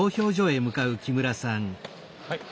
はい。